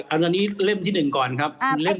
อันนี้เล่มที่๑ก่อนครับ